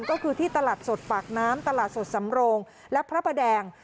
ก็คือที่ตลาดสดปากน้ำตลาดสดสำโรงและพระประแดง